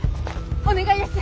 お願いです！